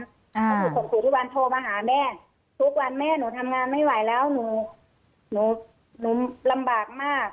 เพราะถูกข่มขู่ทุกวันโทรมาหาแม่ทุกวันแม่หนูทำงานไม่ไหวแล้วหนูลำบากมาก